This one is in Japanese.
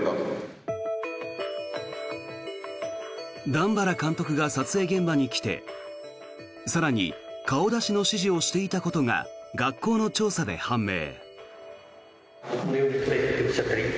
段原監督が撮影現場に来て更に顔出しの指示をしていたことが学校の調査で判明。